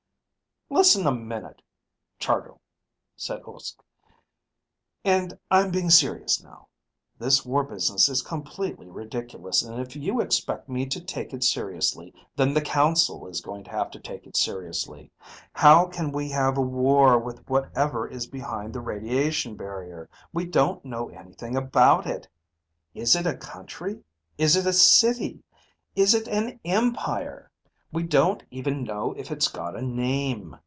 "Listen a minute, Chargill," said Uske. "And I'm being serious now. This war business is completely ridiculous, and if you expect me to take it seriously, then the council is going to have to take it seriously. How can we have a war with whatever is behind the radiation barrier? We don't know anything about it. Is it a country? Is it a city? Is it an empire? We don't even know if it's got a name.